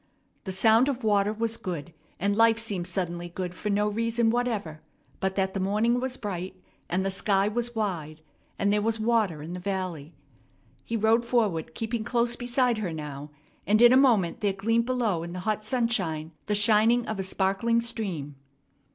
The sound of water was good; and life seemed suddenly good for no reason whatever but that the morning was bright, and the sky was wide, and there was water in the valley. He rode forward, keeping close beside her now, and in a moment there gleamed below in the hot sunshine the shining of a sparkling stream.